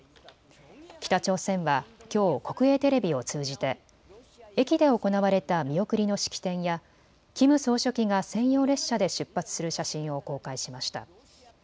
北朝鮮はきょう国営テレビを通じて駅で行われた見送りの式典やキム総書記が専用列車で出発する写真を公開しました。